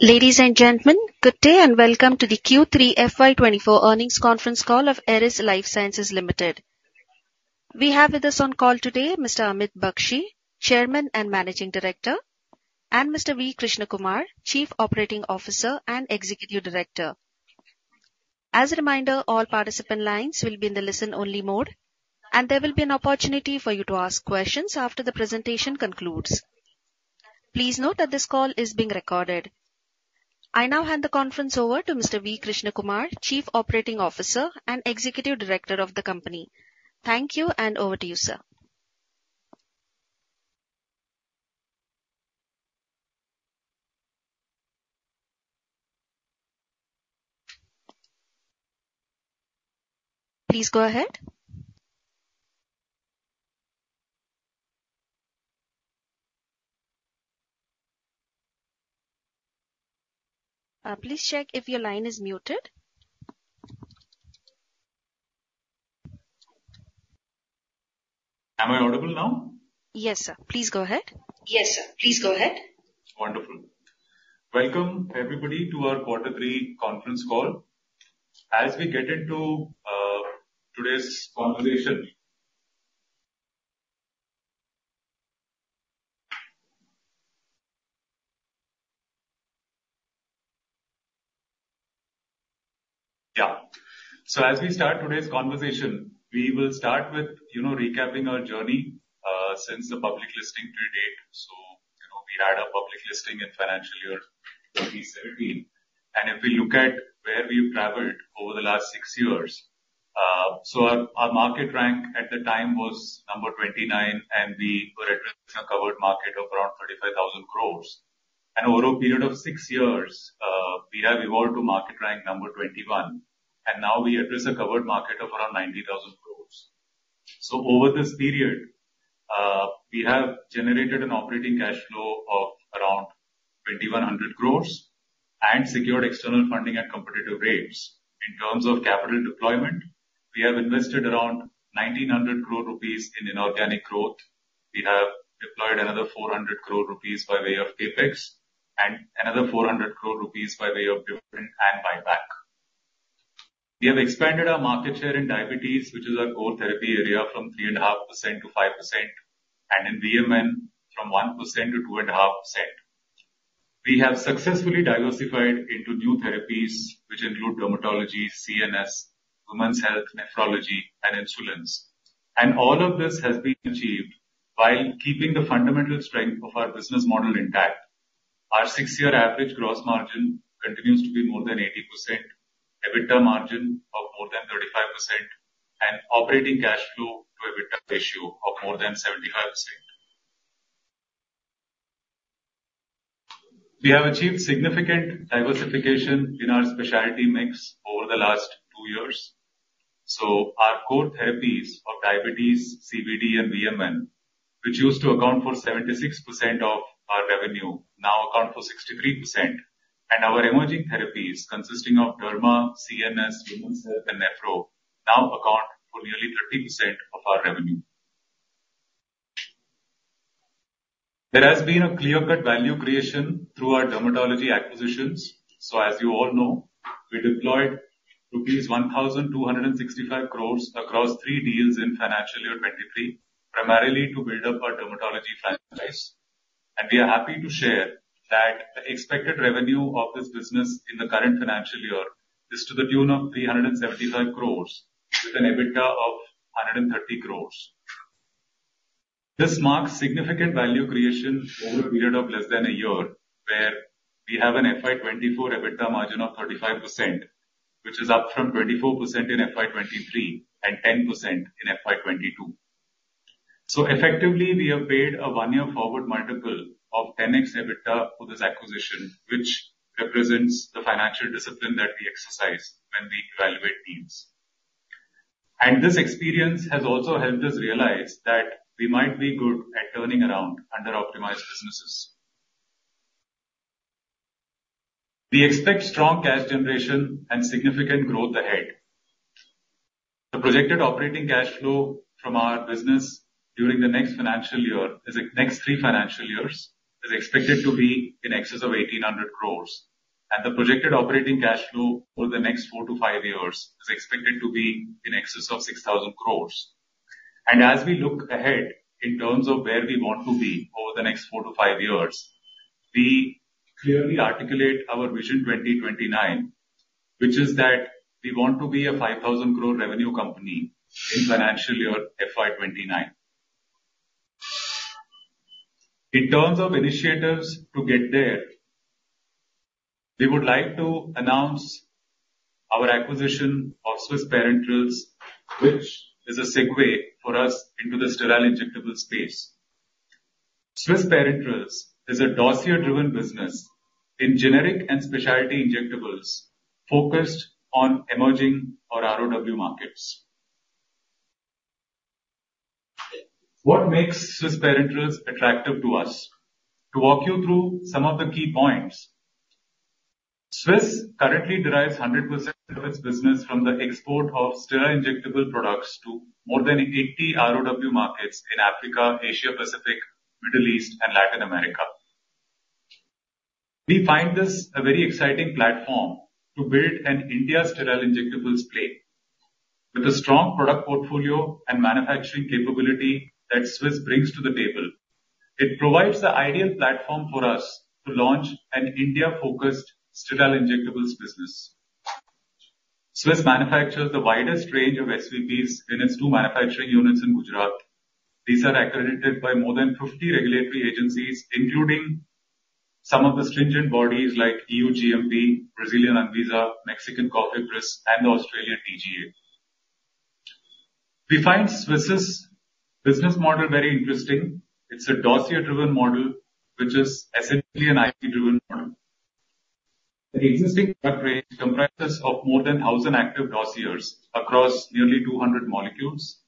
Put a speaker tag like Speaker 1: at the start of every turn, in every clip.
Speaker 1: Ladies and gentlemen, good day and welcome to the Q3 FY24 earnings conference call of Eris Lifesciences Limited. We have with us on call today Mr. Amit Bakshi, Chairman and Managing Director, and Mr. V. Krishnakumar, Chief Operating Officer and Executive Director. As a reminder, all participant lines will be in the listen-only mode and there will be an opportunity for you to ask questions after the presentation concludes. Please note that this call is being recorded. I now hand the conference over to Mr. V. Krishnakumar, Chief Operating Officer and Executive Director of the company. Thank you and over to you, sir. Please go ahead. Please check if your line is muted.
Speaker 2: Am I audible now?
Speaker 1: Yes, sir. Please go ahead. Yes, sir. Please go ahead.
Speaker 2: Wonderful. Welcome, everybody, to our Quarter Three conference call. As we get into today's conversation—yeah. So as we start today's conversation, we will start with you know recapping our journey since the public listing to date. So, you know, we had a public listing in financial year 2017. If we look at where we've traveled over the last six years, so our market rank at the time was number 29 and we were at a covered market of around 35,000 crores. Over a period of six years, we have evolved to market rank number 21 and now we address a covered market of around 90,000 crores. So over this period, we have generated an operating cash flow of around 2,100 crores and secured external funding at competitive rates. In terms of capital deployment, we have invested around 1,900 crore rupees in inorganic growth. We have deployed another 400 crore rupees by way of CapEx and another 400 crore rupees by way of dividend and buyback. We have expanded our market share in diabetes, which is our core therapy area, from 3.5%-5%, and in VMN, from 1%-2.5%. We have successfully diversified into new therapies, which include dermatology, CNS, women's health, nephrology, and insulins. All of this has been achieved while keeping the fundamental strength of our business model intact. Our six-year average gross margin continues to be more than 80%, EBITDA margin of more than 35%, and operating cash flow to EBITDA ratio of more than 75%. We have achieved significant diversification in our specialty mix over the last two years. Our core therapies of diabetes, CVD, and VMN, which used to account for 76% of our revenue, now account for 63%. Our emerging therapies, consisting of derma, CNS, women's health, and nephro, now account for nearly 30% of our revenue. There has been a clear-cut value creation through our dermatology acquisitions. As you all know, we deployed rupees 1,265 crores across three deals in financial year 2023, primarily to build up our dermatology franchise. We are happy to share that the expected revenue of this business in the current financial year is to the tune of 375 crores with an EBITDA of 130 crores. This marks significant value creation over a period of less than a year where we have an FY2024 EBITDA margin of 35%, which is up from 24% in FY2023 and 10% in FY2022. Effectively, we have paid a one-year forward multiple of 10x EBITDA for this acquisition, which represents the financial discipline that we exercise when we evaluate teams. This experience has also helped us realize that we might be good at turning around underoptimized businesses. We expect strong cash generation and significant growth ahead. The projected operating cash flow from our business during the next financial year is ex next three financial years is expected to be in excess of 1,800 crores. The projected operating cash flow over the next four to five years is expected to be in excess of 6,000 crores. As we look ahead in terms of where we want to be over the next four to five years, we clearly articulate our vision 2029, which is that we want to be a 5,000-crore revenue company in financial year FY 2029. In terms of initiatives to get there, we would like to announce our acquisition of Swiss Parenterals, which is a segue for us into the sterile injectable space. Swiss Parenterals is a dossier-driven business in generic and specialty injectables focused on emerging or ROW markets. What makes Swiss Parenterals attractive to us? To walk you through some of the key points: Swiss currently derives 100% of its business from the export of sterile injectable products to more than 80 ROW markets in Africa, Asia Pacific, Middle East, and Latin America. We find this a very exciting platform to build an India sterile injectables platform. With a strong product portfolio and manufacturing capability that Swiss brings to the table, it provides the ideal platform for us to launch an India-focused sterile injectables business. Swiss manufactures the widest range of SVPs in its two manufacturing units in Gujarat. These are accredited by more than 50 regulatory agencies, including some of the stringent bodies like EU GMP, Brazilian ANVISA, Mexican COFEPRIS, and the Australian TGA. We find Swiss's business model very interesting. It's a dossier-driven model, which is essentially an IT-driven model. An existing product range comprises of more than 1,000 active dossiers across nearly 200 molecules.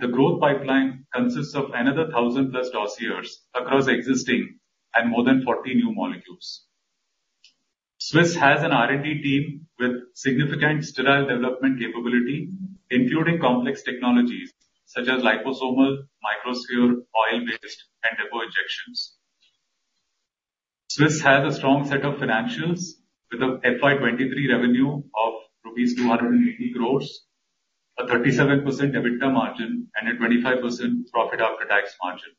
Speaker 2: The growth pipeline consists of another 1,000-plus dossiers across existing and more than 40 new molecules. Swiss has an R&D team with significant sterile development capability, including complex technologies such as liposomal, microsphere, oil-based, and depot injections. Swiss has a strong set of financials with a FY 2023 revenue of rupees 280 crores, a 37% EBITDA margin, and a 25% profit after tax margin.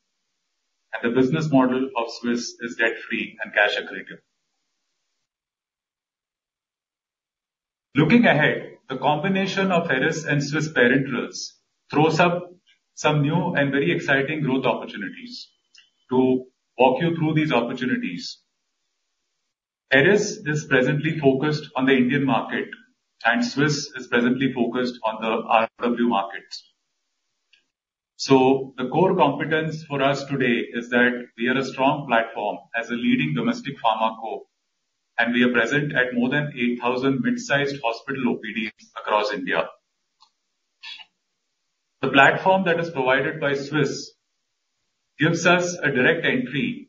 Speaker 2: The business model of Swiss is debt-free and cash-accretive. Looking ahead, the combination of Eris and Swiss Parenterals throws up some new and very exciting growth opportunities. To walk you through these opportunities: Eris is presently focused on the Indian market, and Swiss is presently focused on the ROW markets. The core competence for us today is that we are a strong platform as a leading domestic pharma corp, and we are present at more than 8,000 midsized hospital OPDs across India. The platform that is provided by Swiss gives us a direct entry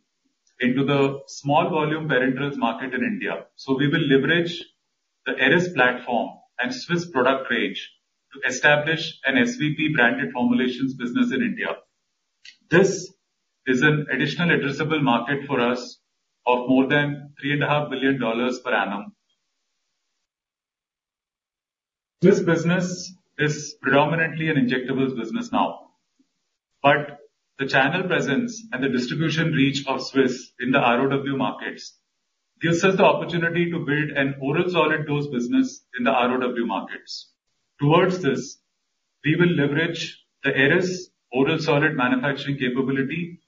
Speaker 2: into the small-volume parenterals market in India. We will leverage the Eris platform and Swiss product range to establish an SVP-branded formulations business in India. This is an additional addressable market for us of more than $3.5 billion per annum. This business is predominantly an injectables business now. But the channel presence and the distribution reach of Swiss in the ROW markets gives us the opportunity to build an oral solid dose business in the ROW markets. Towards this, we will leverage the Eris oral solid manufacturing capability,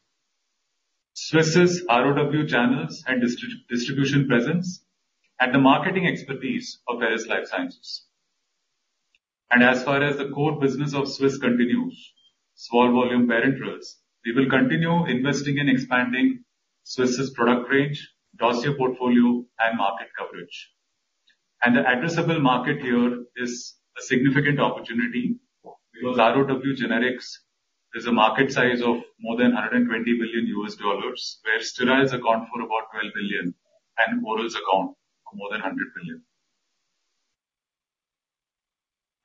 Speaker 2: Swiss's ROW channels and distribution presence, and the marketing expertise of Eris Lifesciences. As far as the core business of Swiss Parenterals continues, small-volume parenterals, we will continue investing and expanding Swiss Parenterals's product range, dossier portfolio, and market coverage. The addressable market here is a significant opportunity because ROW generics is a market size of more than $120 billion, where steriles account for about $12 billion and orals account for more than $100 billion.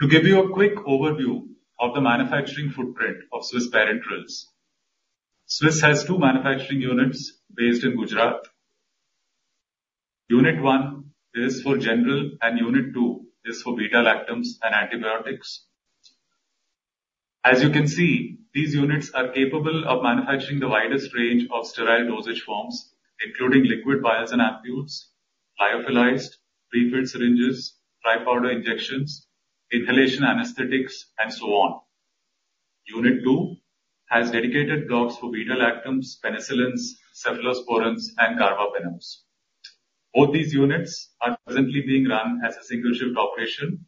Speaker 2: To give you a quick overview of the manufacturing footprint of Swiss Parenterals: Swiss Parenterals has two manufacturing units based in Gujarat. Unit one is for general, and unit two is for beta-lactams and antibiotics. As you can see, these units are capable of manufacturing the widest range of sterile dosage forms, including liquid vials and ampules, lyophilized, prefilled syringes, dry powder injections, inhalation anesthetics, and so on. Unit two has dedicated blocks for beta-lactams, penicillins, cephalosporins, and carbapenems. Both these units are presently being run as a single-shift operation,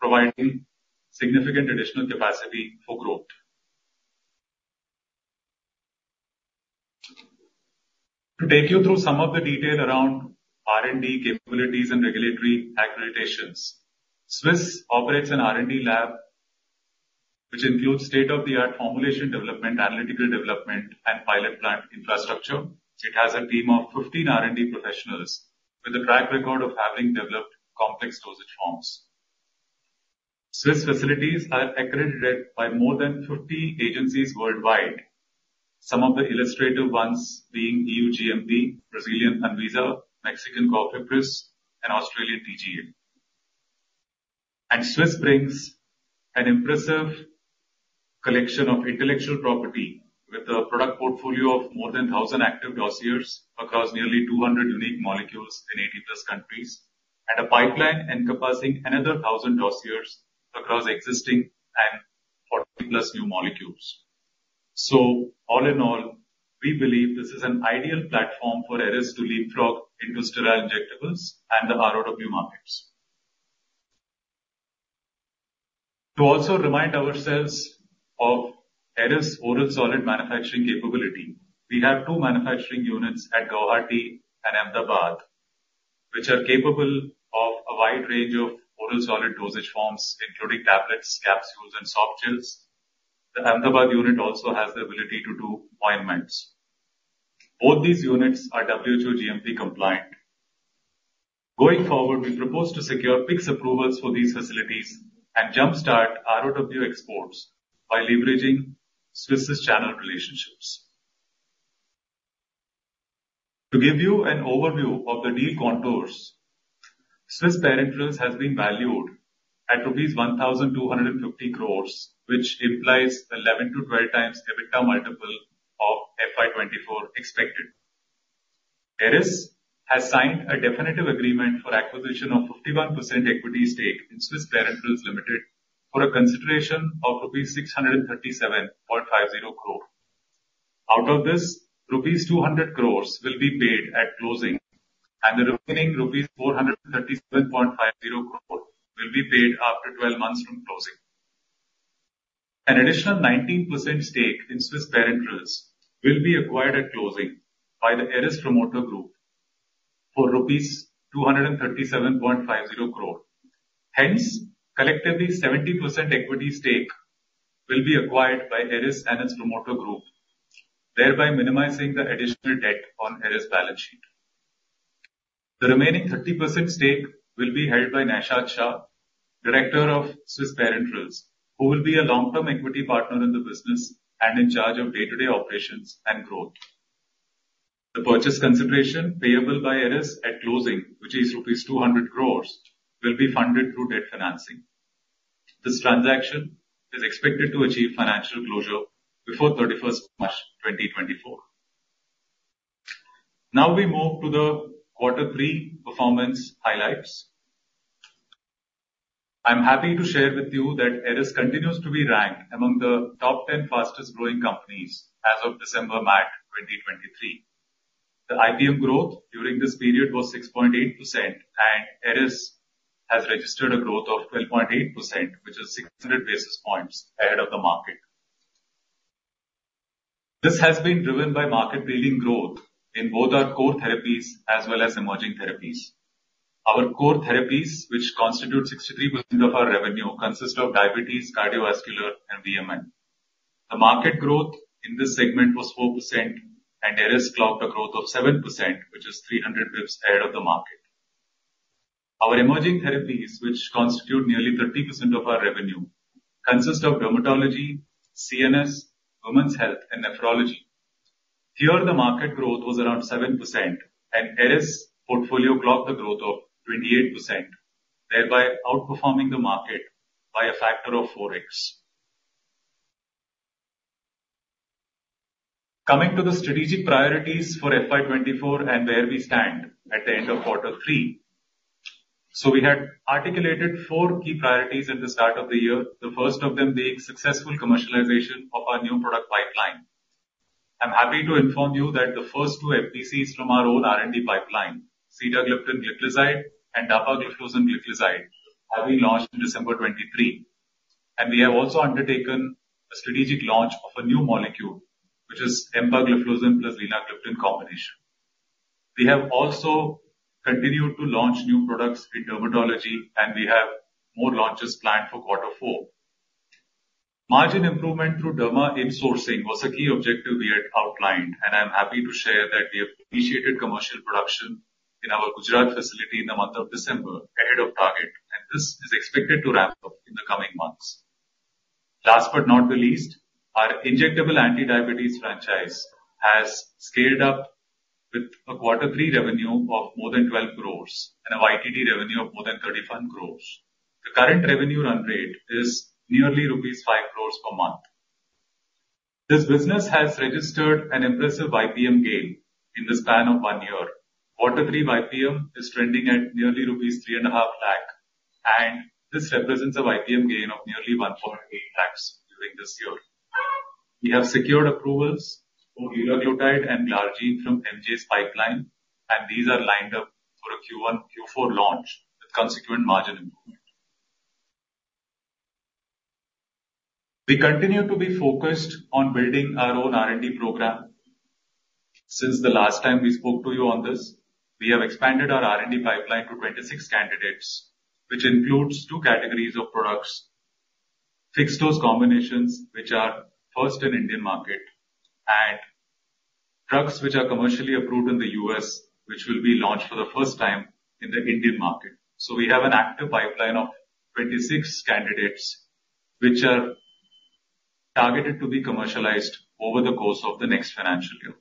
Speaker 2: providing significant additional capacity for growth. To take you through some of the detail around R&D capabilities and regulatory accreditations: Swiss operates an R&D lab which includes state-of-the-art formulation development, analytical development, and pilot plant infrastructure. It has a team of 15 R&D professionals with a track record of having developed complex dosage forms. Swiss facilities are accredited by more than 50 agencies worldwide, some of the illustrative ones being EU GMP, Brazilian ANVISA, Mexican COFEPRIS, and Australian TGA. Swiss brings an impressive collection of intellectual property with a product portfolio of more than 1,000 active dossiers across nearly 200 unique molecules in 80+ countries and a pipeline encompassing another 1,000 dossiers across existing and 40+ new molecules. So all in all, we believe this is an ideal platform for Eris to leapfrog into sterile injectables and the ROW markets. To also remind ourselves of Eris oral solid manufacturing capability: We have two manufacturing units at Guwahati and Ahmedabad, which are capable of a wide range of oral solid dosage forms, including tablets, capsules, and soft gels. The Ahmedabad unit also has the ability to do ointments. Both these units are WHO GMP compliant. Going forward, we propose to secure PIC/S approvals for these facilities and jump-start ROW exports by leveraging Swiss Parenterals channel relationships. To give you an overview of the deal contours: Swiss Parenterals Limited has been valued at rupees 1,250 crores, which implies 11-12x EBITDA multiple of FY 2024 expected. Eris has signed a definitive agreement for acquisition of 51% equity stake in Swiss Parenterals Limited for a consideration of rupees 637.50 crore. Out of this, rupees 200 crores will be paid at closing, and the remaining rupees 437.50 crore will be paid after 12 months from closing. An additional 19% stake in Swiss Parenterals will be acquired at closing by the Eris promoter group for rupees 237.50 crore. Hence, collectively, 70% equity stake will be acquired by Eris and its promoter group, thereby minimizing the additional debt on Eris' balance sheet. The remaining 30% stake will be held by Naishadh Shah, Director of Swiss Parenterals, who will be a long-term equity partner in the business and in charge of day-to-day operations and growth. The purchase consideration payable by Eris at closing, which is rupees 200 crores, will be funded through debt financing. This transaction is expected to achieve financial closure before 31st March 2024. Now we move to the Quarter 3 performance highlights. I'm happy to share with you that Eris continues to be ranked among the top 10 fastest-growing companies as of December/March 2023. The IPM growth during this period was 6.8%, and Eris has registered a growth of 12.8%, which is 600 basis points ahead of the market. This has been driven by market-beating growth in both our core therapies as well as emerging therapies. Our core therapies, which constitute 63% of our revenue, consist of diabetes, cardiovascular, and VMN. The market growth in this segment was 4%, and Eris clocked a growth of 7%, which is 300 basis points ahead of the market. Our emerging therapies, which constitute nearly 30% of our revenue, consist of dermatology, CNS, women's health, and nephrology. Here, the market growth was around 7%, and Eris' portfolio clocked a growth of 28%, thereby outperforming the market by a factor of 4x. Coming to the strategic priorities for FY 2024 and where we stand at the end of Quarter three: So we had articulated four key priorities at the start of the year, the first of them being successful commercialization of our new product pipeline. I'm happy to inform you that the first two FDCs from our own R&D pipeline, Sitagliptin Gliclazide and Dapagliflozin Gliclazide, have been launched in December 2023. And we have also undertaken a strategic launch of a new molecule, which is Empagliflozin plus Linagliptin combination. We have also continued to launch new products in dermatology, and we have more launches planned for Quarter four. Margin improvement through derma insourcing was a key objective we had outlined, and I'm happy to share that we commenced commercial production in our Gujarat facility in the month of December ahead of target, and this is expected to ramp up in the coming months. Last but not the least, our injectable anti-diabetes franchise has scaled up with a Quarter 3 revenue of more than 12 crore and a YTD revenue of more than 31 crore. The current revenue run rate is nearly rupees 5 crore per month. This business has registered an impressive IPM gain in this span of one year. Quarter 3 IPM is trending at nearly rupees 3.5 lakh, and this represents a IPM gain of nearly 1.8 lakh during this year. We have secured approvals for Liraglutide and Glargine from MJ's pipeline, and these are lined up for a Q1/Q4 launch with consequent margin improvement. We continue to be focused on building our own R&D program. Since the last time we spoke to you on this, we have expanded our R&D pipeline to 26 candidates, which includes two categories of products: fixed-dose combinations, which are first in the Indian market, and drugs which are commercially approved in the U.S., which will be launched for the first time in the Indian market. So we have an active pipeline of 26 candidates, which are targeted to be commercialized over the course of the next financial year.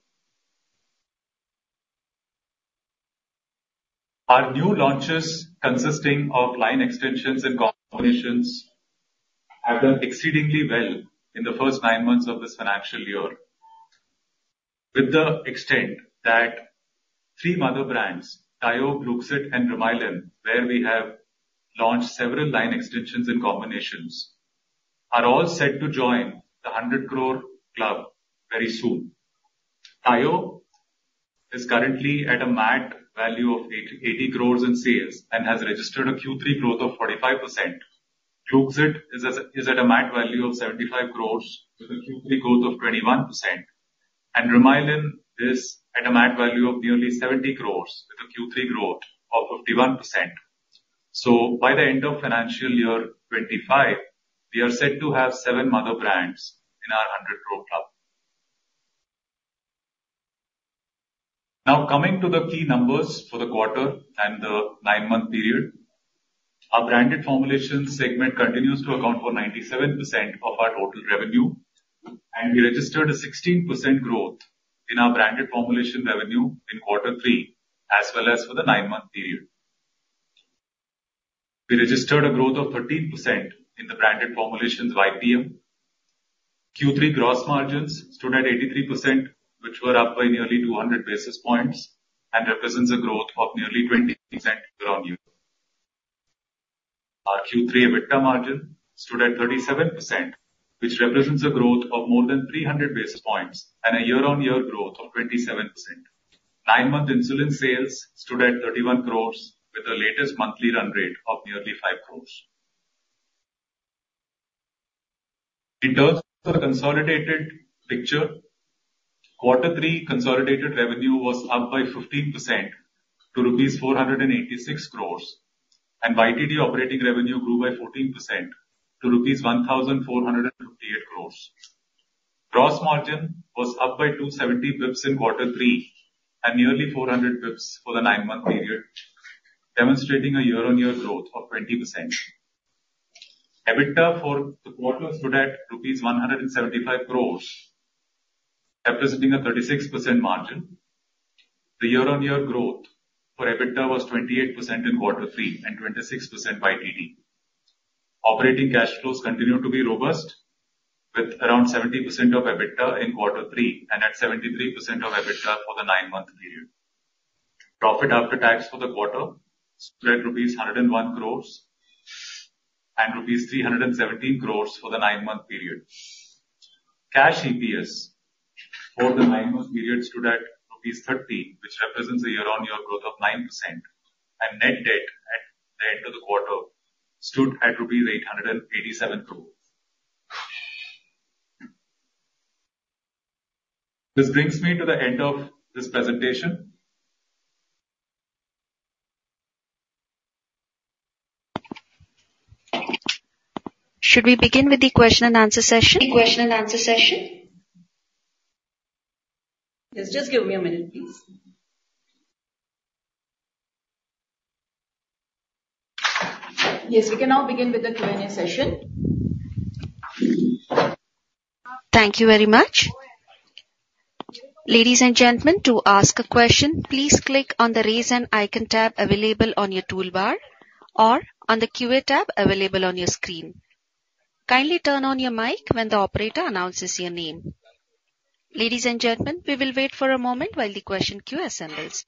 Speaker 2: Our new launches, consisting of line extensions and combinations, have done exceedingly well in the first nine months of this financial year, to the extent that three mother brands, Tayo, Gluxit, and Remylin, where we have launched several line extensions and combinations, are all set to join the 100-crore club very soon. Tayo is currently at a MAT value of 80 crores in sales and has registered a Q3 growth of 45%. Gluxit is at a MAT value of 75 crore with a Q3 growth of 21%, and Remylin is at a MAT value of nearly 70 crore with a Q3 growth of 51%. So by the end of financial year 2025, we are set to have seven mother brands in our 100-crore club. Now, coming to the key numbers for the quarter and the nine-month period: Our branded formulations segment continues to account for 97% of our total revenue, and we registered a 16% growth in our branded formulation revenue in Quarter 3 as well as for the nine-month period. We registered a growth of 13% in the branded formulations IPM. Q3 gross margins stood at 83%, which were up by nearly 200 basis points and represents a growth of nearly 20% year-on-year. Our Q3 EBITDA margin stood at 37%, which represents a growth of more than 300 basis points and a year-on-year growth of 27%. Nine-month insulin sales stood at 31 crores with the latest monthly run rate of nearly 5 crores. In terms of the consolidated picture: Quarter 3 consolidated revenue was up by 15% to rupees 486 crores, and YTD operating revenue grew by 14% to rupees 1,458 crores. Gross margin was up by 270 basis points in Quarter 3 and nearly 400 basis points for the nine-month period, demonstrating a year-on-year growth of 20%. EBITDA for the quarter stood at rupees 175 crores, representing a 36% margin. The year-on-year growth for EBITDA was 28% in Quarter 3 and 26% YTD. Operating cash flows continued to be robust, with around 70% of EBITDA in Quarter 3 and at 73% of EBITDA for the nine-month period. Profit after tax for the quarter stood at rupees 101 crores and rupees 317 crores for the nine-month period. Cash EPS for the nine-month period stood at rupees 30, which represents a year-on-year growth of 9%, and net debt at the end of the quarter stood at rupees 887 crores. This brings me to the end of this presentation.
Speaker 1: Should we begin with the question-and-answer session?
Speaker 2: Yes. Just give me a minute, please. Yes. We can now begin with the Q&A session.
Speaker 1: Thank you very much. Ladies and gentlemen, to ask a question, please click on the Raise Hand icon tab available on your toolbar or on the QA tab available on your screen. Kindly turn on your mic when the operator announces your name. Ladies and gentlemen, we will wait for a moment while the question queue assembles.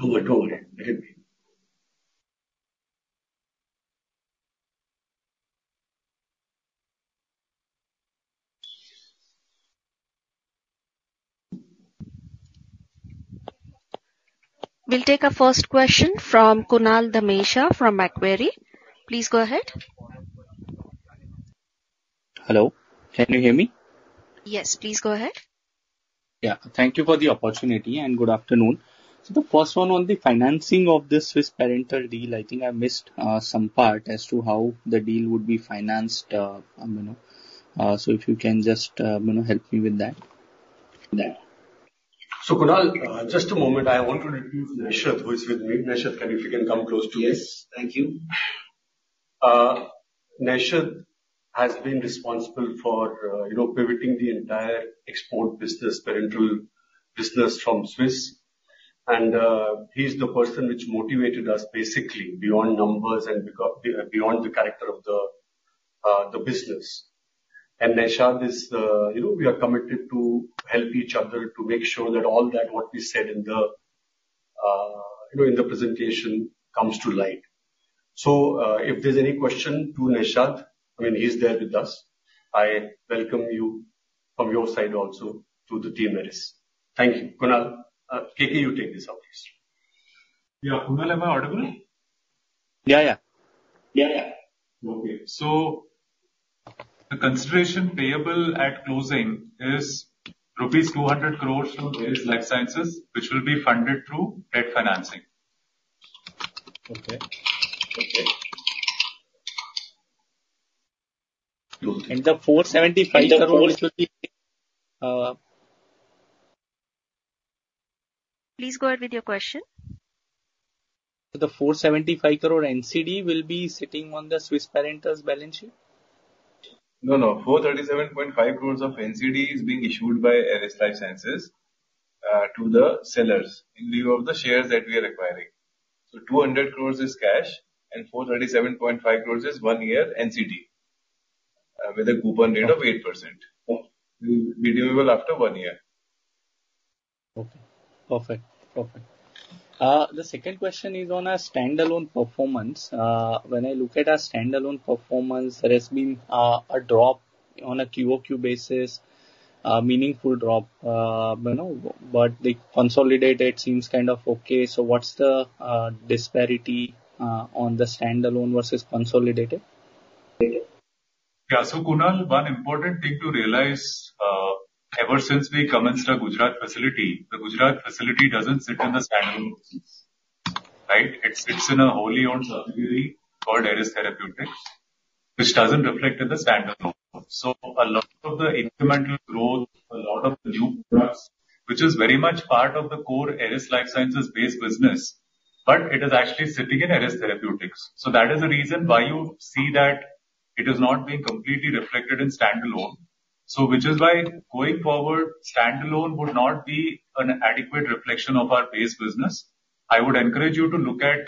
Speaker 3: Go ahead. Go ahead.
Speaker 1: We'll take a first question from Kunal Dhamesha from Macquarie. Please go ahead.
Speaker 4: Hello. Can you hear me?
Speaker 1: Yes. Please go ahead.
Speaker 4: Yeah. Thank you for the opportunity, and good afternoon. So the first one on the financing of this Swiss Parenterals deal, I think I missed some part as to how the deal would be financed, you know. So if you can just, you know, help me with that.
Speaker 3: Kunal, just a moment. I want to interview Naishadh, who is with me. Naishadh, can you come close to me?
Speaker 5: Yes. Thank you.
Speaker 2: Naishadh has been responsible for, you know, pivoting the entire export business, Parenterals business, from Swiss. He's the person which motivated us, basically, beyond numbers and beyond the character of the, the business. Naishadh is, you know, we are committed to help each other to make sure that all that what we said in the, you know, in the presentation comes to light. So, if there's any question to Naishadh, I mean, he's there with us. I welcome you from your side also to the team Eris.
Speaker 6: Thank you. Kunal, KK, you take this up, please. Yeah. Kunal, am I audible?
Speaker 2: Yeah. Yeah. Yeah. Yeah.
Speaker 6: Okay. So the consideration payable at closing is rupees 200 crore from Eris Lifesciences, which will be funded through debt financing.
Speaker 4: Okay. Okay.
Speaker 3: The INR 475 crore,
Speaker 1: Please go ahead with your question.
Speaker 4: So the 475 crore NCD will be sitting on the Swiss Parenterals balance sheet?
Speaker 2: No, no. 437.5 crore of NCD is being issued by Eris Lifesciences, to the sellers in view of the shares that we are acquiring. So 200 crore is cash, and 437.5 crore is one-year NCD, with a coupon rate of 8%. It will be due after one year.
Speaker 4: Okay. Perfect. Perfect. The second question is on our standalone performance. When I look at our standalone performance, there has been a drop on a QOQ basis, meaningful drop, you know, but the consolidated seems kind of okay. So what's the disparity on the standalone versus consolidated?
Speaker 3: Yeah. So, Kunal, one important thing to realize, ever since we commenced a Gujarat facility, the Gujarat facility doesn't sit in the standalone offices, right? It sits in a wholly-owned subsidiary called Eris Therapeutics, which doesn't reflect in the standalone. So a lot of the incremental growth, a lot of the new products, which is very much part of the core Eris Lifesciences-based business, but it is actually sitting in Eris Therapeutics. So that is the reason why you see that it is not being completely reflected in standalone. So which is why, going forward, standalone would not be an adequate reflection of our base business. I would encourage you to look at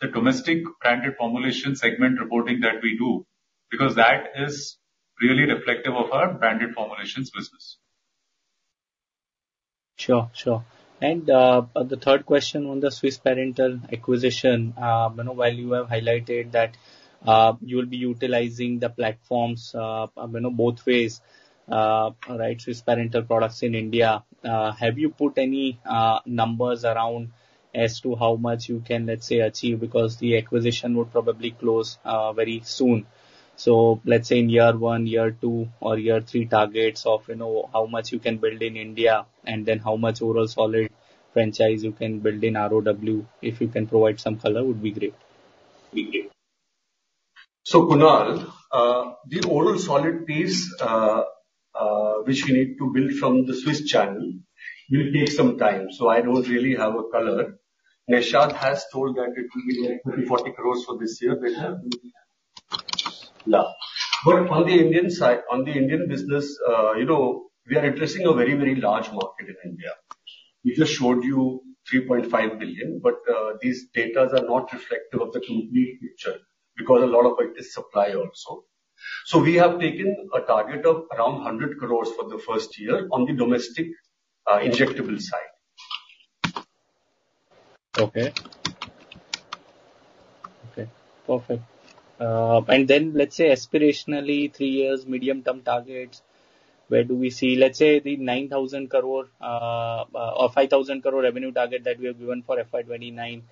Speaker 3: the domestic branded formulation segment reporting that we do because that is really reflective of our branded formulations business.
Speaker 4: Sure. Sure. The third question on the Swiss Parenterals acquisition, you know, while you have highlighted that you will be utilizing the platforms, you know, both ways, right, Swiss Parenterals products in India, have you put any numbers around as to how much you can, let's say, achieve because the acquisition would probably close very soon? So let's say in year one, year two, or year three targets of, you know, how much you can build in India and then how much oral solid franchise you can build in ROW, if you can provide some color, would be great.
Speaker 2: Be great. So, Kunal, the oral solid piece, which we need to build from the Swiss channel will take some time, so I don't really have a color. Naishadh has told that it will be like 30-40 crores for this year. But on the Indian side on the Indian business, you know, we are addressing a very, very large market in India. We just showed you 3.5 billion, but these data are not reflective of the complete picture because a lot of it is supply also. So we have taken a target of around 100 crores for the first year on the domestic, injectable side.
Speaker 4: Okay. Okay. Perfect. And then let's say aspirationally, three years, medium-term targets, where do we see let's say the 9,000 crore or 5,000 crore revenue target that we have given for FY29,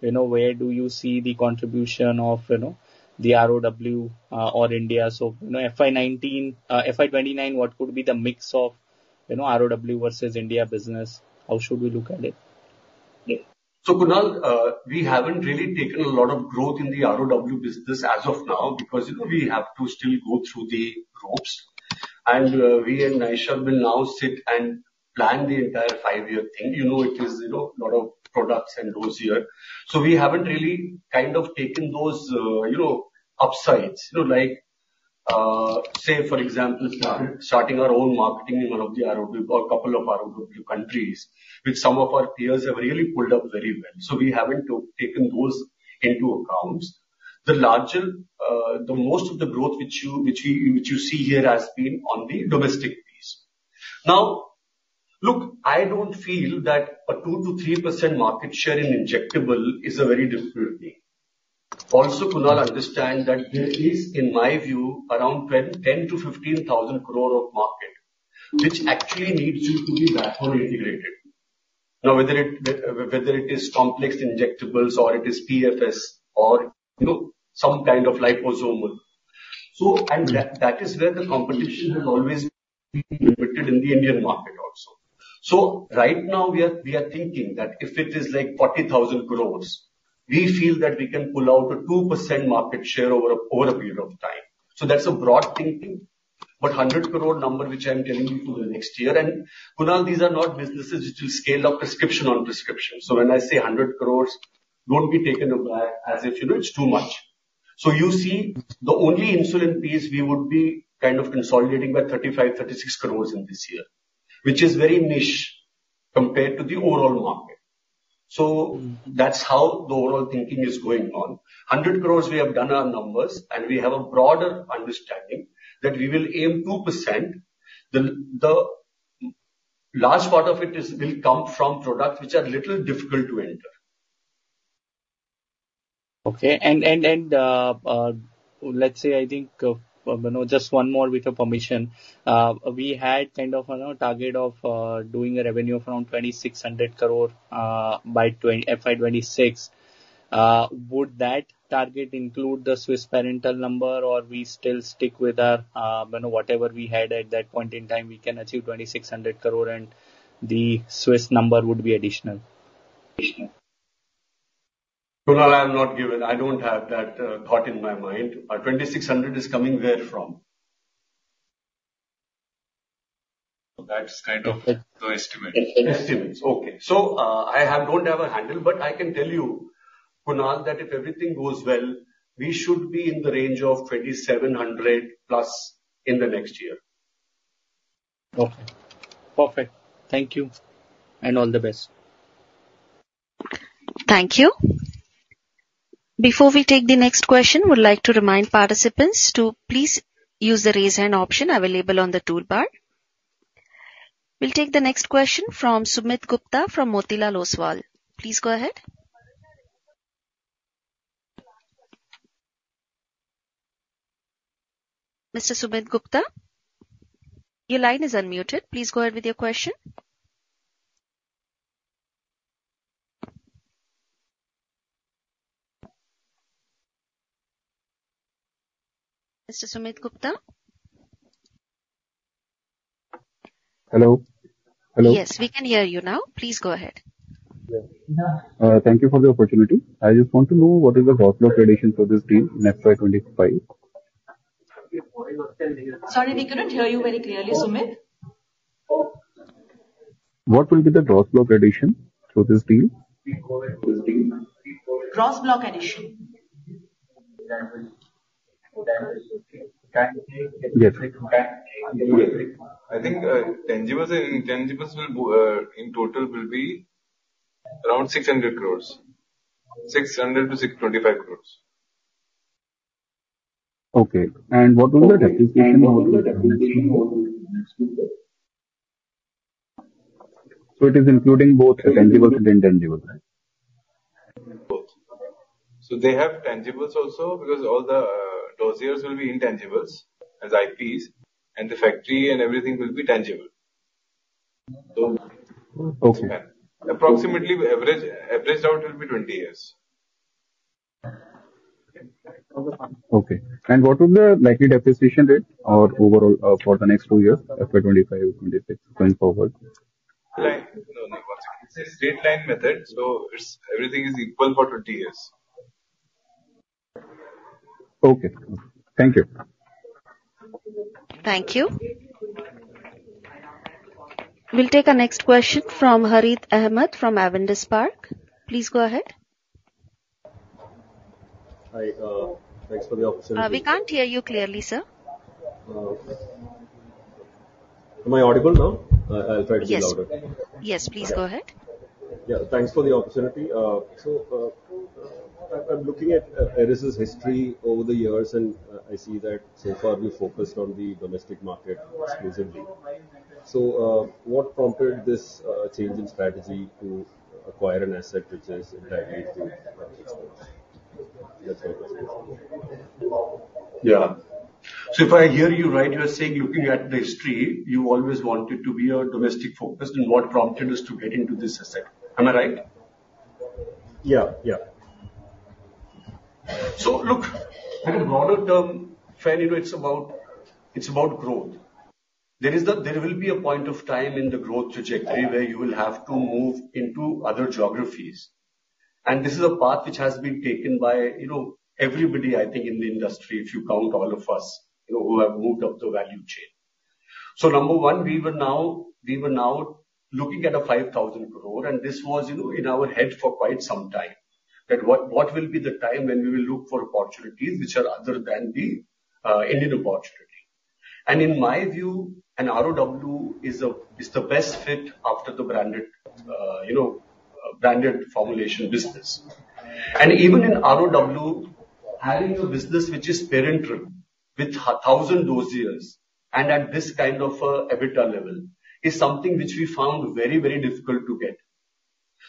Speaker 4: you know, where do you see the contribution of, you know, the ROW or India? So, you know, FY19, FY29, what could be the mix of, you know, ROW versus India business? How should we look at it?
Speaker 2: So, Kunal, we haven't really taken a lot of growth in the ROW business as of now because, you know, we have to still go through the ropes. And, we and Naishadh will now sit and plan the entire five-year thing. You know, it is, you know, a lot of products and goes here. So we haven't really kind of taken those, you know, upsides, you know, like, say, for example, starting our own marketing in one of the ROW or a couple of ROW countries, which some of our peers have really pulled up very well. So we haven't taken those into account. The larger the most of the growth which you see here has been on the domestic piece. Now, look, I don't feel that a 2%-3% market share in injectable is a very difficult thing. Also, Kunal, understand that there is, in my view, around 10,000-15,000 crore of market, which actually needs you to bebackward integrated Now, whether it is complex injectables or it is PFS or, you know, some kind of liposomal. So, and that is where the competition has always been limited in the Indian market also. So right now, we are thinking that if it is like 40,000 crore, we feel that we can pull out a 2% market share over a period of time. So that's a broad thinking. But 100 crore number, which I'm telling you, for the next year and, Kunal, these are not businesses which will scale up prescription on prescription. So when I say 100 crore, don't be taken aback as if, you know, it's too much. So you see, the only insulin piece we would be kind of consolidating by 35-36 crores in this year, which is very niche compared to the overall market. So that's how the overall thinking is going on. 100 crores, we have done our numbers, and we have a broader understanding that we will aim 2%. The last part of it is will come from products which are a little difficult to enter.
Speaker 4: Okay. Let's say I think, you know, just one more with your permission. We had kind of, you know, target of doing revenue of around 2,600 crore by FY26. Would that target include the Swiss Parenterals number, or we still stick with our, you know, whatever we had at that point in time? We can achieve 2,600 crore, and the Swiss number would be additional?
Speaker 2: Additionally. Kunal, I am not given. I don't have that thought in my mind. 2,600 is coming where from? That's kind of the estimate. Estimates. Okay. So, I don't have a handle, but I can tell you, Kunal, that if everything goes well, we should be in the range of 2,700+ in the next year.
Speaker 4: Okay. Perfect. Thank you. And all the best.
Speaker 1: Thank you. Before we take the next question, would like to remind participants to please use the Raise Hand option available on the toolbar. We'll take the next question from Sumit Gupta from Motilal Oswal. Please go ahead. Mr. Sumit Gupta, your line is unmuted. Please go ahead with your question. Mr. Sumit Gupta?
Speaker 7: Hello. Hello.
Speaker 1: Yes. We can hear you now. Please go ahead.
Speaker 7: Yeah. Thank you for the opportunity. I just want to know what is the cash flow prediction for this deal in FY25?
Speaker 1: Sorry. We couldn't hear you very clearly, Sumit.
Speaker 7: What will be the Gross block prediction for this deal?
Speaker 1: Gross block addition.
Speaker 7: Yes. I think, tangibles and intangibles will, in total will be around 600 crore. 600-25 crore. Okay. And what will the depreciation? So it is including both tangibles and intangibles, right?
Speaker 2: Both. So they have tangibles also because all the dossiers will be intangibles as IPs, and the factory and everything will be tangible. So.
Speaker 7: Okay.
Speaker 2: Approximately, averaged out will be 20 years.
Speaker 7: Okay. And what would the likely depreciation rate or overall, for the next two years, FY 2025, 2026, going forward?
Speaker 2: No, no. It's a straight-line method, so it's everything is equal for 20 years.
Speaker 7: Okay. Thank you.
Speaker 1: Thank you. We'll take a next question from Harith Ahamed from Avendus Spark. Please go ahead.
Speaker 8: Hi. Thanks for the opportunity.
Speaker 1: We can't hear you clearly, sir.
Speaker 8: Am I audible now? I'll try to be louder.
Speaker 1: Yes. Yes. Please go ahead.
Speaker 8: Yeah. Thanks for the opportunity. I'm looking at Eris's history over the years, and I see that so far we've focused on the domestic market exclusively. What prompted this change in strategy to acquire an asset which is directly to exports? That's my question.
Speaker 2: Yeah. If I hear you right, you are saying, looking at the history, you always wanted to be a domestic-focused, and what prompted us to get into this asset. Am I right?
Speaker 8: Yeah. Yeah.
Speaker 2: So, look, at a broader term, Harith, you know, it's about it's about growth. There is the there will be a point of time in the growth trajectory where you will have to move into other geographies. And this is a path which has been taken by, you know, everybody, I think, in the industry, if you count all of us, you know, who have moved up the value chain. So number one, we were now we were now looking at a 5,000 crore, and this was, you know, in our head for quite some time, that what will be the time when we will look for opportunities which are other than the Indian opportunity. And in my view, an ROW is a is the best fit after the branded, you know, branded formulation business. And even in ROW, having a business which is parenteral with 1,000 dossiers and at this kind of EBITDA level is something which we found very, very difficult to get.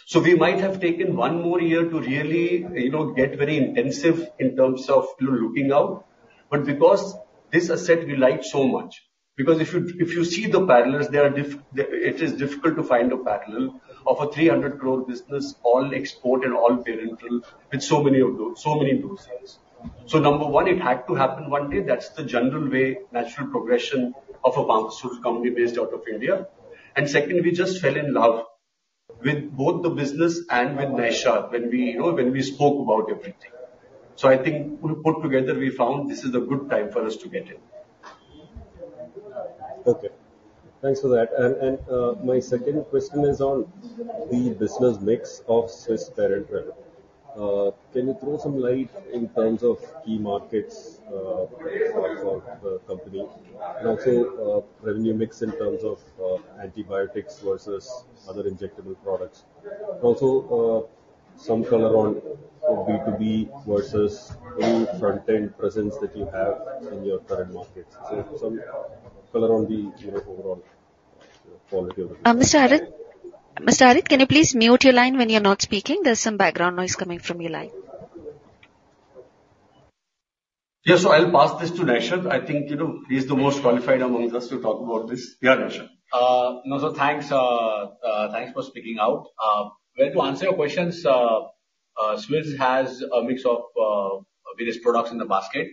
Speaker 2: So we might have taken one more year to really, you know, get very intensive in terms of, you know, looking out. But because this asset we liked so much because if you if you see the parallels, it is difficult to find a parallel of a 300 crore business all export and all parenteral with so many of those so many dossiers. So number one, it had to happen one day. That's the general way, natural progression of a bankruptcy company based out of India. And second, we just fell in love with both the business and with Naishadh when we you know, when we spoke about everything. So I think, put together, we found this is a good time for us to get in.
Speaker 8: Okay. Thanks for that. And, and, my second question is on the business mix of Swiss Parenterals. Can you throw some light in terms of key markets for the company and also revenue mix in terms of antibiotics versus other injectable products? And also, some color on B2B versus any front-end presence that you have in your current markets. So some color on the, you know, overall quality of the business.
Speaker 1: Mr. Harith, Mr. Harith, can you please mute your line when you're not speaking? There's some background noise coming from your line.
Speaker 8: Yeah. So I'll pass this to Naishadh. I think, you know, he's the most qualified amongst us to talk about this. Yeah, Naishadh. No. So thanks. Thanks for speaking out. Well, to answer your questions, Swiss has a mix of various products in the basket,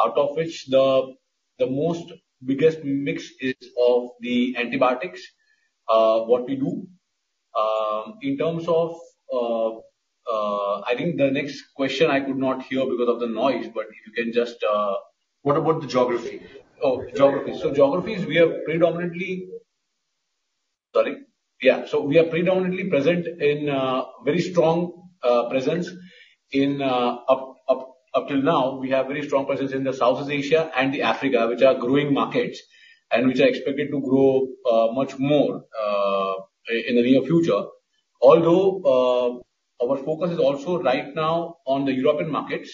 Speaker 8: out of which the biggest mix is of the antibiotics what we do. In terms of, I think the next question I could not hear because of the noise, but if you can just, what about the geography? Oh, geography. So geographies, we are predominantly sorry. Yeah. So we are predominantly present in very strong presence in till now, we have very strong presence in Southeast Asia and Africa, which are growing markets and which are expected to grow much more in the near future.
Speaker 2: Although our focus is also right now on the European markets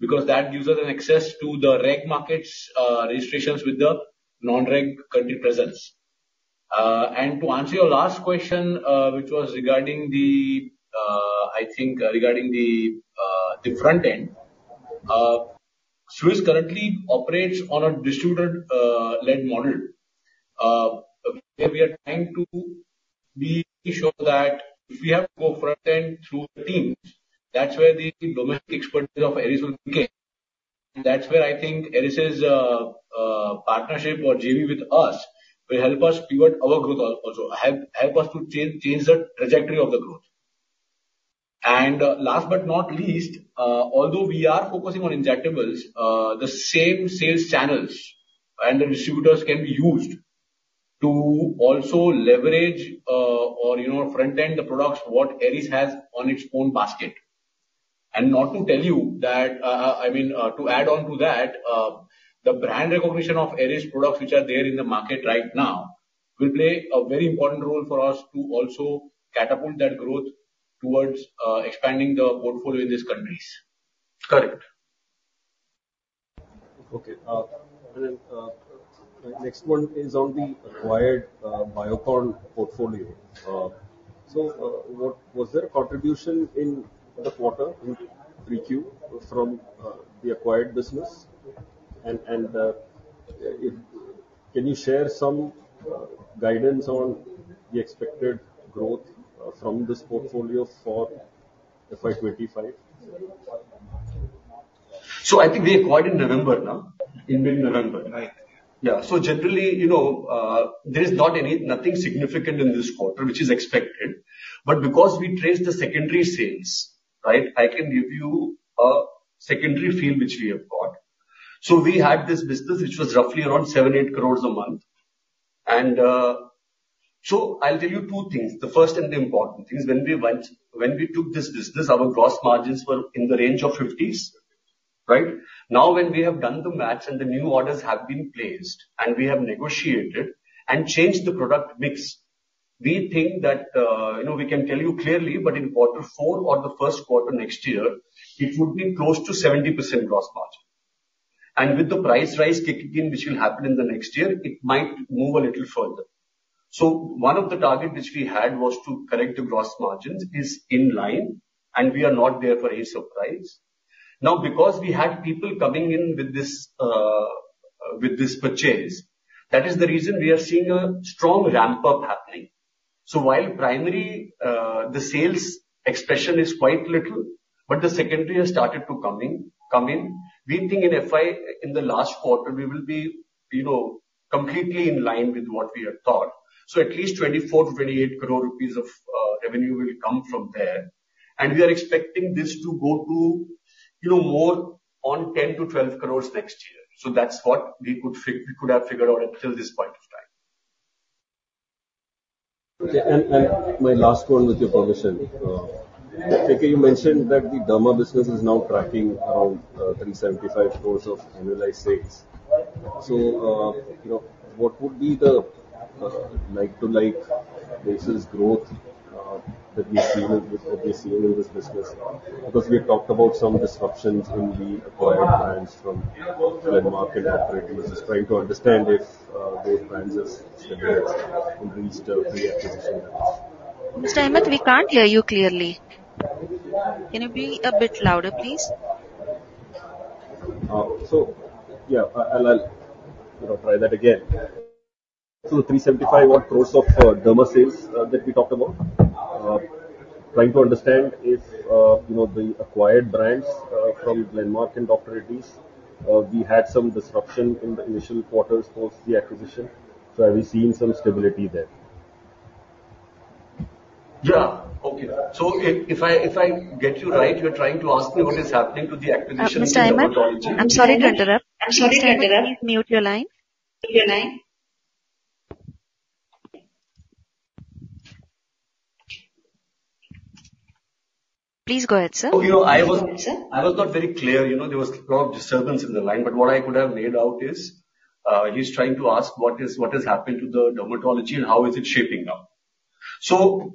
Speaker 2: because that gives us an access to the reg markets, registrations with the non-reg country presence. And to answer your last question, which was regarding the, I think, regarding the front end, Swiss currently operates on a distributed, led model, where we are trying to be sure that if we have to go front end through teams, that's where the domestic expertise of Eris will become. That's where I think Eris's partnership or JV with us will help us pivot our growth also, help, help us to change, change the trajectory of the growth. And last but not least, although we are focusing on injectables, the same sales channels and the distributors can be used to also leverage, or, you know, front end the products, what Eris has on its own basket. Not to tell you that, I mean, to add on to that, the brand recognition of Eris products which are there in the market right now will play a very important role for us to also catapult that growth towards expanding the portfolio in these countries. Correct.
Speaker 8: Okay. Then, next one is on the acquired Biocon portfolio. So, what was there a contribution in the quarter, in 3Q, from the acquired business? And, if you can share some guidance on the expected growth from this portfolio for FY25?
Speaker 2: I think we acquired in November, now, in mid-November. Right.
Speaker 3: Yeah. So generally, you know, there is not any nothing significant in this quarter which is expected. But because we traced the secondary sales, right, I can give you a secondary feel which we have got. So we had this business which was roughly around 7-8 crores a month. And, so I'll tell you two things, the first and the important things. When we took this business, our gross margins were in the range of 50s, right? Now, when we have done the match and the new orders have been placed and we have negotiated and changed the product mix, we think that, you know, we can tell you clearly, but in quarter four or the first quarter next year, it would be close to 70% gross margin. With the price rise kicking in which will happen in the next year, it might move a little further. So one of the targets which we had was to correct the gross margins is in line, and we are not there for any surprise. Now, because we had people coming in with this, with these purchases, that is the reason we are seeing a strong ramp-up happening. So while primary, the sales expression is quite little, but the secondary has started to come in, we think in FY in the last quarter, we will be, you know, completely in line with what we had thought. So at least 24 crore-28 crore rupees of revenue will come from there. And we are expecting this to go to, you know, more on 10 crore-12 crore next year. That's what we could fix. We could have figured out until this point of time.
Speaker 8: Okay. And my last one with your permission. You mentioned that the derma business is now tracking around 375 crores of annualized sales. So, you know, what would be the like-for-like basis growth that we've seen with what we've seen in this business? Because we have talked about some disruptions in the acquired brands from Glenmark and Oaknet. Just trying to understand if those brands have steadied and reached a pre-acquisition level.
Speaker 1: Mr. Ahmed, we can't hear you clearly. Can you be a bit louder, please?
Speaker 8: Yeah. I'll, you know, try that again. So the 375-odd crore of derma sales that we talked about, trying to understand if, you know, the acquired brands from Glenmark and Oaknet, we had some disruption in the initial quarters post the acquisition. So have we seen some stability there?
Speaker 2: Yeah. Okay. So if I get you right, you're trying to ask me what is happening to the acquisition and the technology?
Speaker 1: Mr. Ahmed? I'm sorry to interrupt. I'm sorry to interrupt. Please mute your line. Mute your line. Please go ahead, sir.
Speaker 2: Oh, you know, I was not very clear. You know, there was a lot of disturbance in the line. But what I could have made out is, he's trying to ask what has happened to the dermatology and how is it shaping up. So,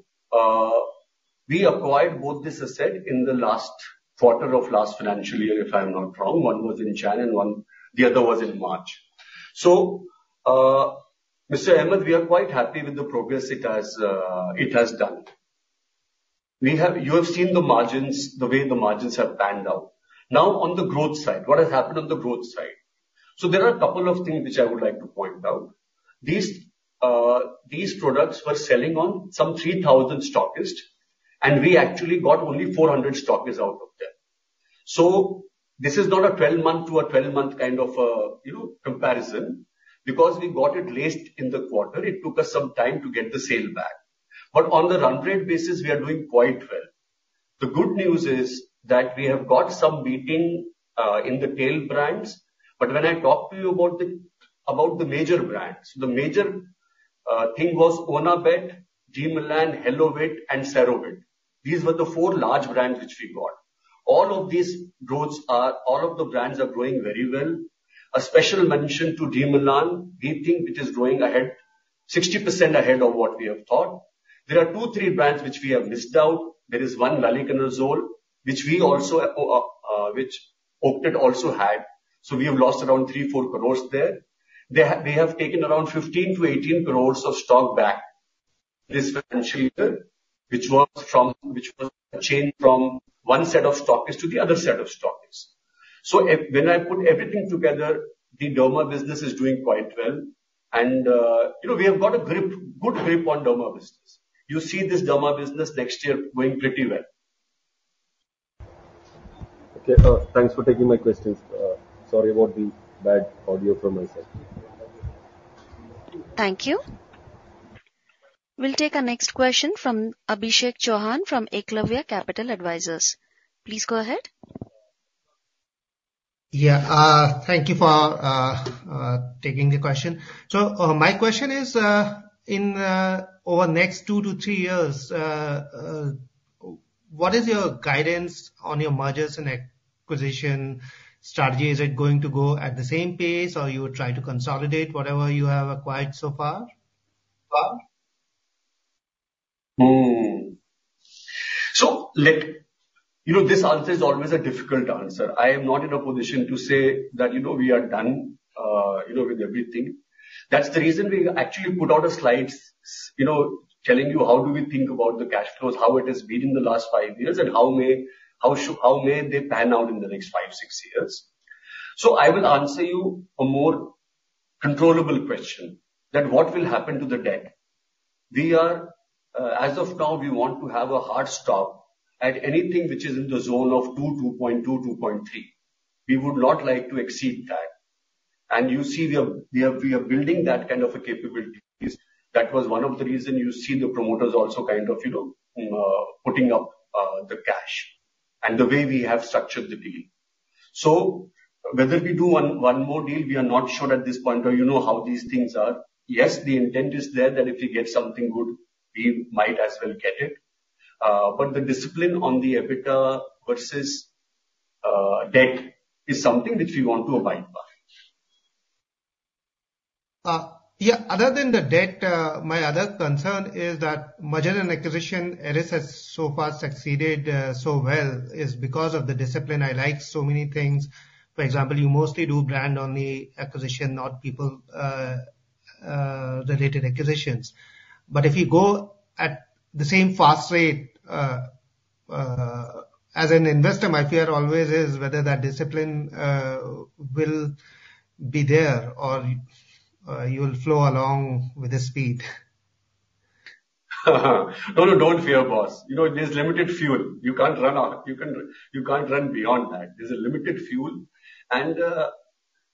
Speaker 2: we acquired both this asset in the last quarter of last financial year, if I'm not wrong. One was in China, and one the other was in March. So, Mr. Ahmed, we are quite happy with the progress it has done. You have seen the margins the way the margins have panned out. Now, on the growth side, what has happened on the growth side? So there are a couple of things which I would like to point out. These products were selling on some 3,000 stockist, and we actually got only 400 stockist out of them. So this is not a 12-month to a 12-month kind of, you know, comparison because we got it acquired in the quarter. It took us some time to get the sales back. But on the run rate basis, we are doing quite well. The good news is that we have got some beating in the tail brands. But when I talked to you about the major brands, the major thing was Onabet, Demelan, Halovate, and Sorvate. These were the four large brands which we got. All of these growths are all of the brands are growing very well. A special mention to Demelan. We think it is growing ahead 60% ahead of what we have thought. There are two, three brands which we have missed out. There is one Luliconazole which we also, which Oaknet also had. So we have lost around 3-4 crores there. They have taken around 15-18 crores of stock back this financial year, which was a change from one set of stockist to the other set of stockist. So when I put everything together, the derma business is doing quite well. And, you know, we have got a good grip on derma business. You see this derma business next year going pretty well.
Speaker 8: Okay. Thanks for taking my questions. Sorry about the bad audio from myself.
Speaker 1: Thank you. We'll take our next question from Abhishek Chauhan from Eklavya Capital Advisors. Please go ahead.
Speaker 9: Yeah. Thank you for taking the question. So, my question is, in over the next 2-3 years, what is your guidance on your mergers and acquisition strategy? Is it going to go at the same pace, or you would try to consolidate whatever you have acquired so far?
Speaker 10: So let you know, this answer is always a difficult answer. I am not in a position to say that, you know, we are done, you know, with everything. That's the reason we actually put out a slide, you know, telling you how do we think about the cash flows, how it has been in the last 5 years, and how may how should how may they pan out in the next 5, 6 years. So I will answer you a more controllable question, that what will happen to the debt? We are as of now, we want to have a hard stop at anything which is in the zone of 2, 2.2, 2.3. We would not like to exceed that. And you see, we are building that kind of a capabilities. That was one of the reasons you see the promoters also kind of, you know, putting up the cash and the way we have structured the deal. So whether we do one, one more deal, we are not sure at this point, or you know how these things are. Yes, the intent is there that if we get something good, we might as well get it. But the discipline on the EBITDA versus debt is something which we want to abide by.
Speaker 9: Yeah. Other than the debt, my other concern is that merger and acquisition Eris has so far succeeded so well is because of the discipline. I like so many things. For example, you mostly do brand-only acquisition, not people-related acquisitions. But if you go at the same fast rate, as an investor, my fear always is whether that discipline will be there or you'll flow along with the speed.
Speaker 10: No, no. Don't fear, boss. You know, there's limited fuel. You can't run out. You can't run beyond that. There's a limited fuel. And,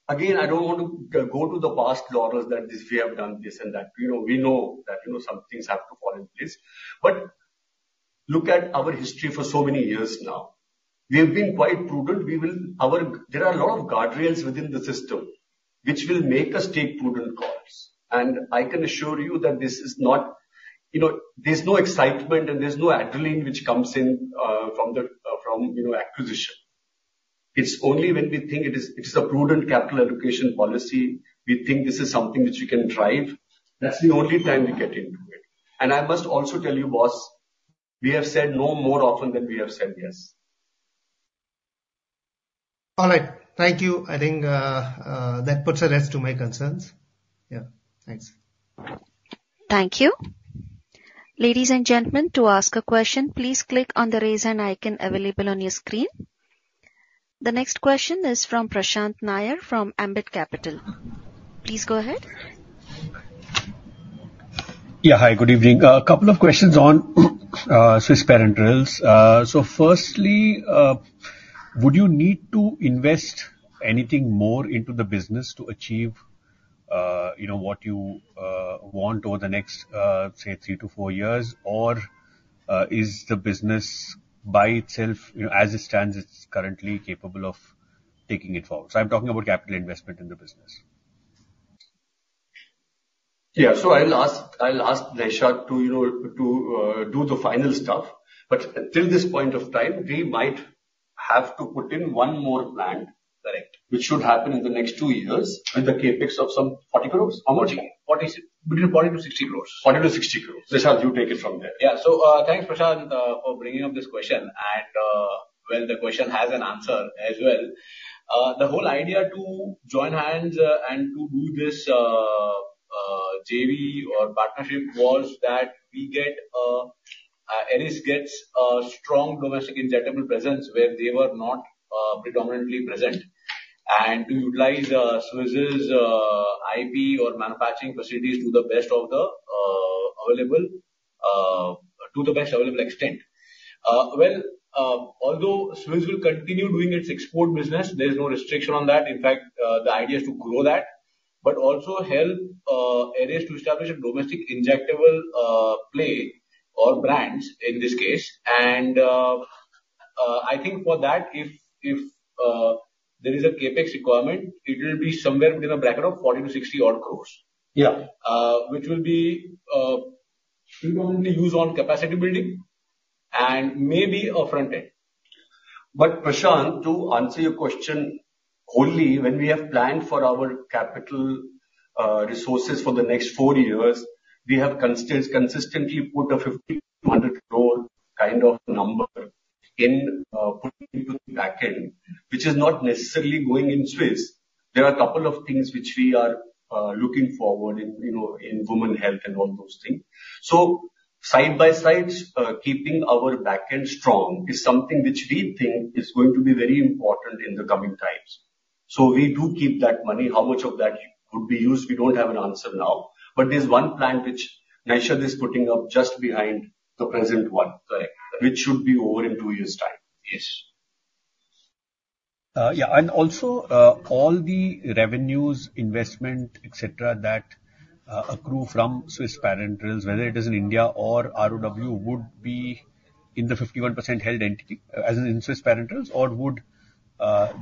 Speaker 10: again, I don't want to go to the past laurels that, "This we have done, this and that." You know, we know that, you know, some things have to fall in place. But look at our history for so many years now. We have been quite prudent. Well, there are a lot of guardrails within the system which will make us take prudent calls. And I can assure you that this is not, you know, there's no excitement, and there's no adrenaline which comes in from the, you know, acquisition. It's only when we think it is a prudent capital allocation policy, we think this is something which we can drive. That's the only time we get into it. I must also tell you, boss, we have said no more often than we have said yes.
Speaker 9: All right. Thank you. I think, that puts a rest to my concerns. Yeah. Thanks.
Speaker 1: Thank you. Ladies and gentlemen, to ask a question, please click on the raise hand icon available on your screen. The next question is from Prashant Nair from Ambit Capital. Please go ahead.
Speaker 11: Yeah. Hi. Good evening. A couple of questions on Swiss Parenterals. Firstly, would you need to invest anything more into the business to achieve, you know, what you want over the next, say, 3-4 years, or is the business by itself, you know, as it stands, it's currently capable of taking it forward? So I'm talking about capital investment in the business.
Speaker 10: Yeah. So I'll ask Desharth to, you know, do the final stuff. But till this point of time, we might have to put in one more plan.
Speaker 12: Correct.
Speaker 10: Which should happen in the next two years with the CapEx of some 40 crore or more? Between 40 crores-60 crores. 40-60 crores. Desharth, you take it from there.
Speaker 12: Yeah. So, thanks, Prashant, for bringing up this question. And, well, the question has an answer as well. The whole idea to join hands, and to do this, JV or partnership was that we get, Eris gets a strong domestic injectable presence where they were not, predominantly present. And to utilize Swiss's IP or manufacturing facilities to the best available extent. Well, although Swiss will continue doing its export business, there's no restriction on that. In fact, the idea is to grow that but also help Eris to establish a domestic injectable play or brands in this case. And, I think for that, if there is a CapEx requirement, it will be somewhere within a bracket of 40-60-odd crores.
Speaker 10: Yeah.
Speaker 12: which will be predominantly used on capacity building and maybe a front end.
Speaker 10: But Prashant, to answer your question wholly, when we have planned for our capital, resources for the next four years, we have consistently put a 50 crore-100 crore kind of number in, putting into the back end, which is not necessarily going in Swiss. There are a couple of things which we are, looking forward in, you know, in women's health and all those things. So side by side, keeping our back end strong is something which we think is going to be very important in the coming times. So we do keep that money. How much of that would be used, we don't have an answer now. But there's one plan which Naishadh is putting up just behind the present one.
Speaker 12: Correct.
Speaker 10: Which should be over in two years' time.
Speaker 11: Yes, yeah. And also, all the revenues, investment, etc., that accrue from Swiss Parenterals, whether it is in India or ROW, would be in the 51% held entity as in Swiss Parenterals or would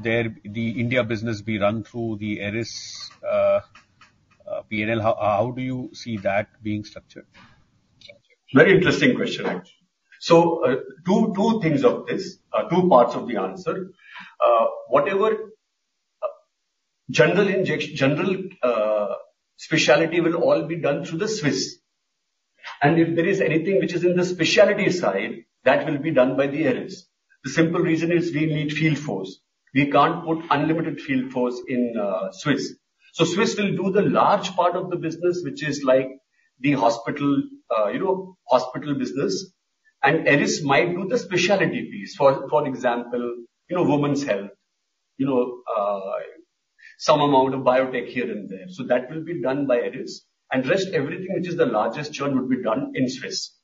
Speaker 11: there the India business be run through the Eris P&L? How do you see that being structured?
Speaker 10: Very interesting question, actually. So, two things of this, two parts of the answer. General injectables, general specialty will all be done through the Swiss. And if there is anything which is in the specialty side, that will be done by the Eris. The simple reason is we need field force. We can't put unlimited field force in Swiss. So Swiss will do the large part of the business, which is like the hospital, you know, hospital business. And Eris might do the specialty piece, for example, you know, women's health, you know, some amount of biotech here and there. So that will be done by Eris. And rest, everything which is the largest chunk would be done in Swiss.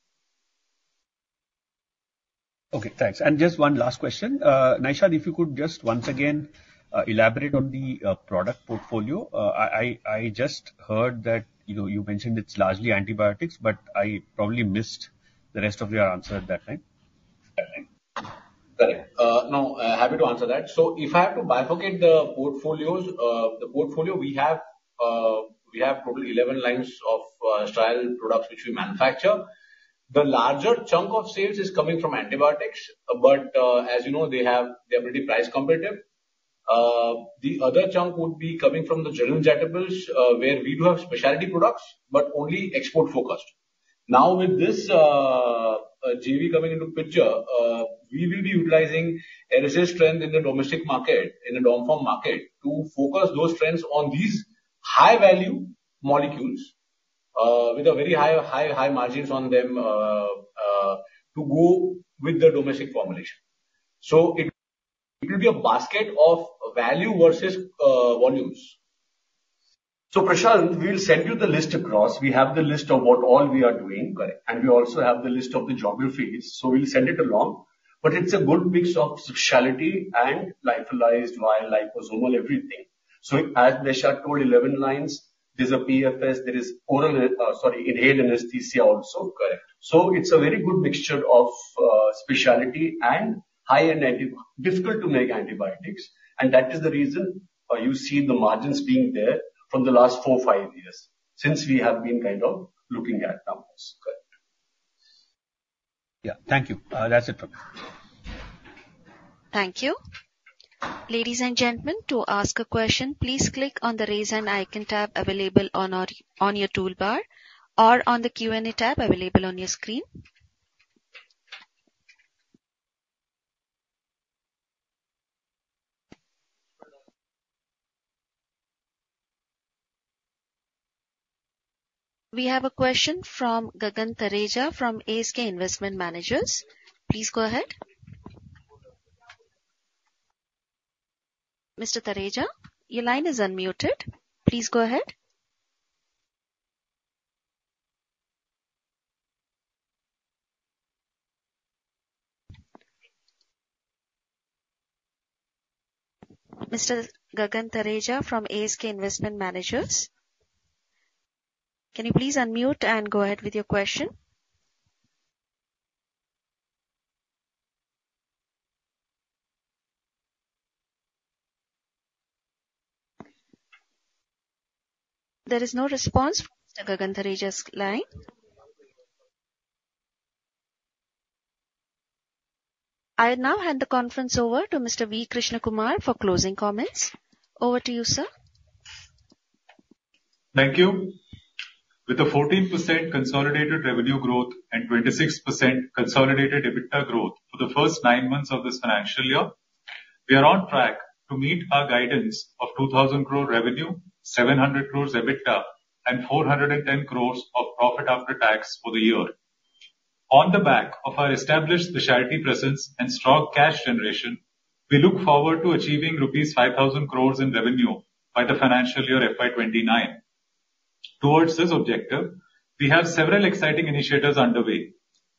Speaker 11: Okay. Thanks. And just one last question. Naishadh, if you could just once again elaborate on the product portfolio. I just heard that, you know, you mentioned it's largely antibiotics, but I probably missed the rest of your answer at that time.
Speaker 2: Correct. No. I'm happy to answer that. So if I have to bifurcate the portfolios, the portfolio we have, we have total 11 lines of sterile products which we manufacture. The larger chunk of sales is coming from antibiotics, but, as you know, they are pretty price competitive. The other chunk would be coming from the general injectables, where we do have specialty products but only export-focused. Now, with this JV coming into picture, we will be utilizing Eris' strength in the domestic market, in the domestic pharma market, to focus those strengths on these high-value molecules, with a very high margins on them, to go with the domestic formulation. So it will be a basket of value versus volumes. So Prashant, we'll send you the list across. We have the list of what all we are doing. Correct. We also have the list of the geographies. We'll send it along. It's a good mix of specialty and lyophilized, vial, liposomal, everything. As Desharth told, 11 lines. There's a PFS. There is oral sorry, inhaled anesthesia also.
Speaker 12: Correct.
Speaker 6: It's a very good mixture of specialty and high-end antibiotics difficult to make. That is the reason you see the margins being there from the last 4-5 years since we have been kind of looking at numbers.
Speaker 12: Correct. Yeah. Thank you. That's it from me.
Speaker 1: Thank you. Ladies and gentlemen, to ask a question, please click on the raise hand icon tab available on your toolbar or on the Q&A tab available on your screen. We have a question from Gagan Thareja from ASK Investment Managers. Please go ahead. Mr. Thareja, your line is unmuted. Please go ahead. Mr. Gagan Thareja from ASK Investment Managers, can you please unmute and go ahead with your question? There is no response from Mr. Gagan Thareja's line. I now hand the conference over to Mr. V. Krishnakumar for closing comments. Over to you, sir.
Speaker 2: Thank you. With a 14% consolidated revenue growth and 26% consolidated EBITDA growth for the first nine months of this financial year, we are on track to meet our guidance of 2,000 crore revenue, 700 crore EBITDA, and 410 crore of profit after tax for the year. On the back of our established specialty presence and strong cash generation, we look forward to achieving rupees 5,000 crore in revenue by the financial year FY 2029. Towards this objective, we have several exciting initiatives underway.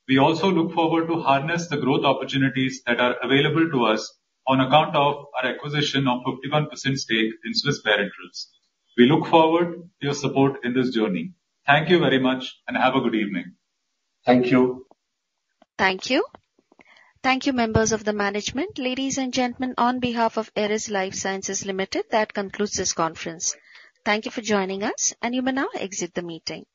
Speaker 2: We also look forward to harness the growth opportunities that are available to us on account of our acquisition of 51% stake in Swiss Parenterals. We look forward to your support in this journey. Thank you very much, and have a good evening.
Speaker 10: Thank you.
Speaker 1: Thank you. Thank you, members of the management. Ladies and gentlemen, on behalf of Eris Lifesciences Limited, that concludes this conference. Thank you for joining us, and you may now exit the meeting.